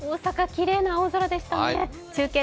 きれいな青空でしたね。